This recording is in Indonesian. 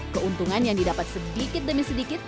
keuntungan yang didapat sedikit demi sedikit